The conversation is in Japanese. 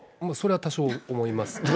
もうそれは多少思います。